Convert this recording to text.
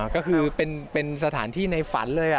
ก็คือเป็นสถานที่ในฝันเลย